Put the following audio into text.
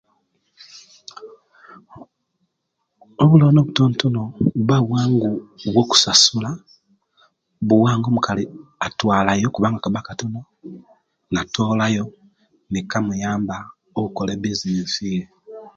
Obulooni obutontono bubba bwangu bwokusasula. Owanga omukali atwalayo, kubanga kabakati, natoolayo nikamuyamba o'kola ebizinesi yee.